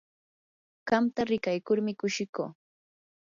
qamta rikaykurmi kushikuu.